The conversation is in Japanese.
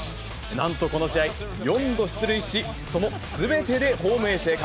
なんとこの試合、４度出塁し、そのすべてでホームへ生還。